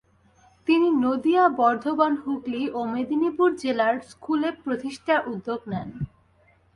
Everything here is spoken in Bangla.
তিনি নদীয়া, বর্ধমান, হুগলি ও মেদিনীপুর জেলায় স্কুুল প্রতিষ্ঠার উদ্যোগ নেন।